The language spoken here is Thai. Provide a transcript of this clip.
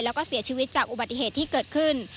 แล้วก็เสียชีวิตจากอุบัติเหตุที่เกิดขึ้น